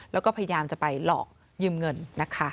แล้วก็พยายามจะไปหลอกยืมเงินนะคะ